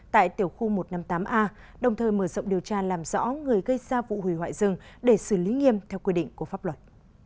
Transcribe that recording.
tại tiểu khu một trăm năm mươi tám a đồng thời mở rộng điều tra làm rõ người gây ra vụ hủy hoại rừng để xử lý nghiêm theo quy định của pháp luật